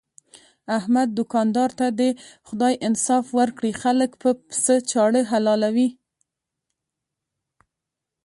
احمد دوکاندار ته دې خدای انصاف ورکړي، خلک په پڅه چاړه حلالوي.